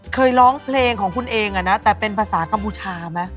เคยร้องเพลงของคุณเองอ่ะนะแต่เป็นภาษากรรมพุทธาไหม